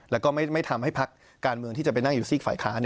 แล้วก็ไม่ทำให้ภักดิ์การเมืองที่จะเมื่อซี่กไฝค้า